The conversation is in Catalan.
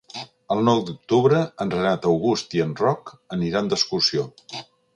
El nou d'octubre en Renat August i en Roc aniran d'excursió.